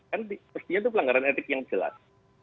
kan mestinya itu pelanggaran etik yang jelas